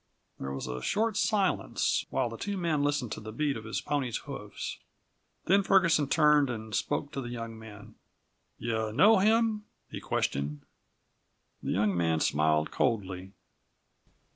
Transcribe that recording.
There was a short silence, while the two men listened to the beat of his pony's hoofs. Then Ferguson turned and spoke to the young man. "You know him?" he questioned. The young man smiled coldly.